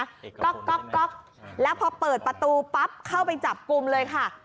ก็ก๊อกแล้วพอเปิดประตูปั๊บเข้าไปจับกลุ่มเลยค่ะ